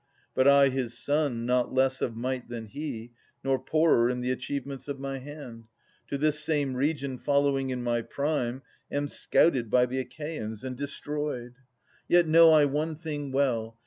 But I his son, not less of might than he, Nor poorer in the achievements of my hand. To this same region following in my prime. Am scouted by the Achaeans and destroyed. 441 471] AtaS 69 Yet know I one thing well.